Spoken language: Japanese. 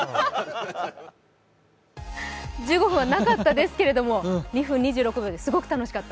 １５分はなかったですけど、２分２６秒ですごく楽しかった。